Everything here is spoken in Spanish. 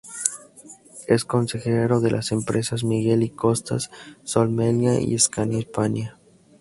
Es consejero de la empresas Miguel y Costas, Sol Meliá y Scania Hispania.